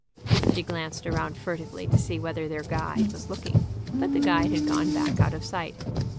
She glanced around furtively to see whether their guide was looking, but the guide had gone back out of sight.